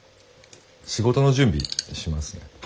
仕事の準備しますね。